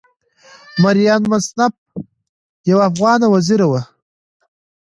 مریم منصف یوه افغانه وزیره وه.